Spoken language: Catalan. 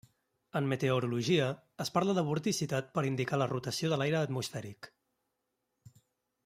En meteorologia es parla de vorticitat per indicar la rotació de l'aire atmosfèric.